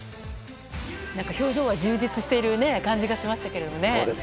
表情は充実している感じがしましたけれどもね。